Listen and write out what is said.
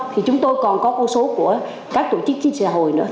thì chúng tôi còn có con số của các tổ chức chính trị hội